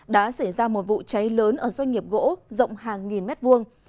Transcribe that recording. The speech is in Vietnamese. đã xảy ra một vụ cháy lớn ở doanh nghiệp gỗ rộng hàng nghìn mét vuông